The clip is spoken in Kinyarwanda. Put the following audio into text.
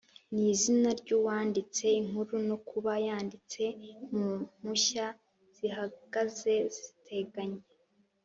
n’izina ry’uwanditse inkuru no kuba yanditse mu mpushya zihagaze ziteganye.